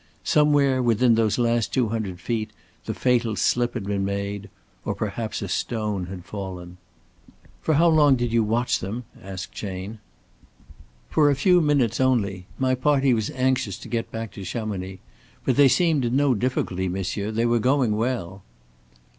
Somewhere within those last two hundred feet the fatal slip had been made; or perhaps a stone had fallen. "For how long did you watch them?" asked Chayne. "For a few minutes only. My party was anxious to get back to Chamonix. But they seemed in no difficulty, monsieur. They were going well."